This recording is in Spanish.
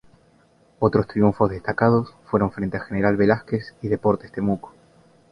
Otros triunfos destacados fueron frente a General Velásquez y Deportes Temuco.